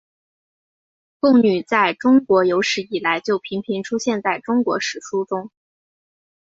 贡女在中国有史以来就频频出现在中国史书中。